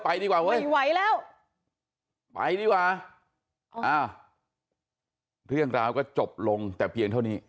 ดีกว่าเว้ยไม่ไหวแล้วไปดีกว่าอ้าวเรื่องราวก็จบลงแต่เพียงเท่านี้